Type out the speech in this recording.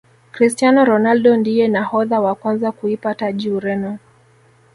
cristiano ronaldo ndiye nahodha wa kwanza kuipa taji Ureno